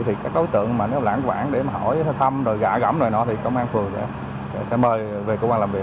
thì các đối tượng mà lãng quản để hỏi thăm gã gắm thì công an phường sẽ mời về công an làm việc